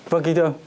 vâng ký thương